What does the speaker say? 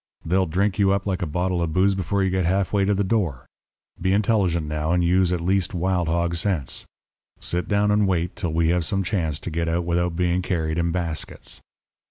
They'll drink you up like a bottle of booze before you get half way to the door. Be intelligent, now, and use at least wild hog sense. Sit down and wait till we have some chance to get out without being carried in baskets.'